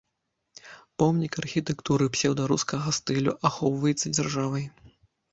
Помнік архітэктуры псеўдарускага стылю, ахоўваецца дзяржавай.